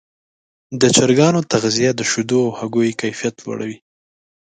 د چرګانو تغذیه د شیدو او هګیو کیفیت لوړوي.